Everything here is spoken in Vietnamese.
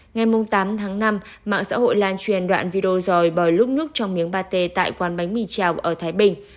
ngày tám tháng năm mạng xã hội lan truyền đoạn video dòi bòi lúc nước trong miếng pate tại quán bánh mì chảo ở thái bình